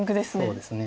そうですね。